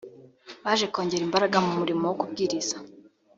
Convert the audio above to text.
baje kongera imbaraga mu murimo wo kubwiriza